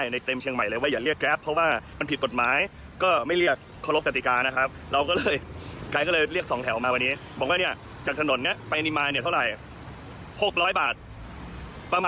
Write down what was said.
นั่งกับบ้าหรือเปล่าแล้วเราก็ไม่กล้าให้เรียกไงไม่เป็นไรเดินเอาโลเยอร์